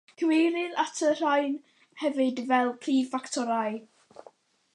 Cyfeirir at y rhain hefyd fel "prif ffactorau".